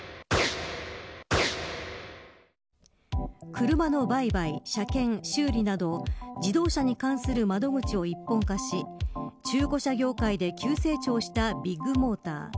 車の売買、車検、修理など自動車に関する窓口を一本化し中古車業界で急成長したビッグモーター。